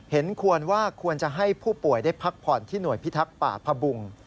เห็นควรว่าควรจะให้ผู้ป่วยได้พักผ่อนที่หน่วยพิทักษ์ป่าพุง